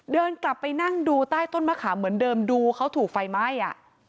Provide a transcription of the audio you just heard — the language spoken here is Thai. เดินกลับไปนั่งดูใต้ต้นมะขามเหมือนเดิมดูเขาถูกไฟไหม้อ่ะ